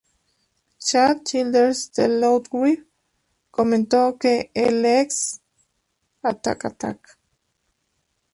Chad Childers de "Loudwire" comentó que "el ex-Attack Attack!